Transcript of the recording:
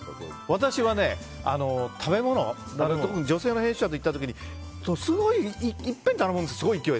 私は食べ物女性の編集者と行った時にいっぺんに頼むんですよ